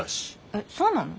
えっそうなの？